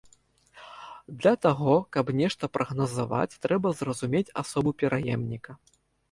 Для таго, каб нешта прагназаваць, трэба зразумець асобу пераемніка.